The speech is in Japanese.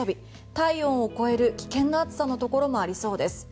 体温を超える危険な暑さのところもありそうです。